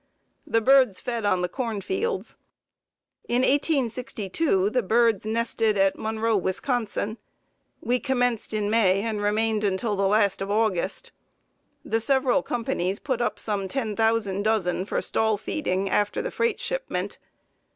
The birds fed on the corn fields. In 1862 the birds nested at Monroe, Wis. We commenced in May and remained until the last of August. The several companies put up some ten thousand dozen for stall feeding after the freight shipment.